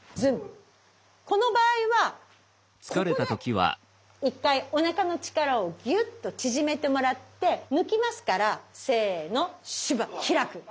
この場合はここで一回おなかの力をぎゅっと縮めてもらって抜きますからせーのシュバッ開く。